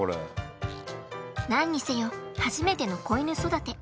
何にせよ初めての子犬育て。